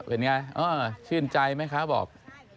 เป็นอย่างไรชื่นใจไหมคะบอก